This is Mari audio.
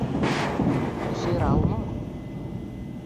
Сӧрал мо?..